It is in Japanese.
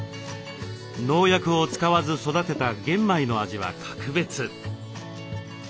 農薬を使わず育てた玄米の味は格別。